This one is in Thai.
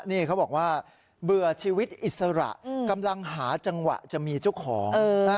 นี่เขาบอกว่าเบื่อชีวิตอิสระกำลังหาจังหวะจะมีเจ้าของ